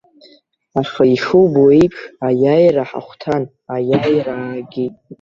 Аха ишубо еиԥш, аиааира ҳахәҭан, аиааира аагеит.